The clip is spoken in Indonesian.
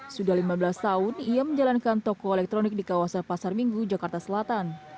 sudah lima belas tahun ia menjalankan toko elektronik di kawasan pasar minggu jakarta selatan